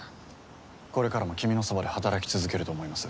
これからも君のそばで働き続けると思います。